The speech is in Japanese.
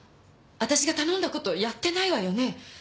私が頼んだことやってないわよね？